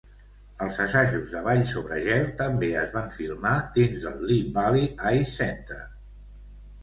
Els assajos de ball sobre gel també es van filmar dins del Lee Valley Ice Center.